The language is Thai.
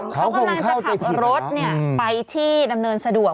เข้าเงินจะขับรถไปที่ดำเนินสะดวก